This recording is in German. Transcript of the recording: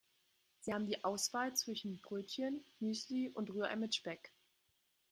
Sie haben die Auswahl zwischen Brötchen, Müsli und Rührei mit Speck.